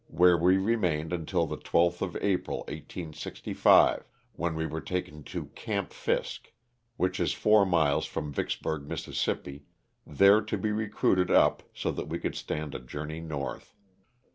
where we remained uutil the 12th of April, 18G5, when we were taken to Camp Fisk," which is four miles from Vicksburg, Miss., there to be recruited up so that we could stand a journey north.